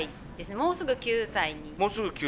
もうすぐ９歳。